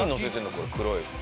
これ黒い。